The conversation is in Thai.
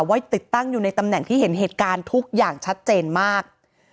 ไว้ติดตั้งอยู่ในตำแหน่งที่เห็นเหตุการณ์ทุกอย่างชัดเจนมาก